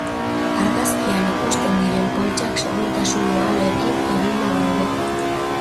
Argazkian ikusten diren poltsak segurtasun-uhalekin eginda daude.